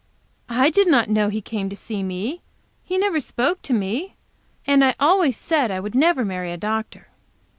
"I did not know he came to see me; he never spoke to me. And I always said I would never marry a doctor."